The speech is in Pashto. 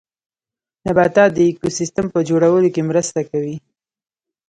نباتات د ايکوسيستم په جوړولو کې مرسته کوي